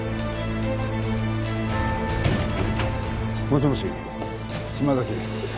もしもし島崎です。